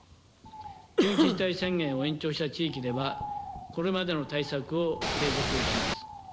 緊急事態宣言を延長した地域では、これまでの対策を継続をします。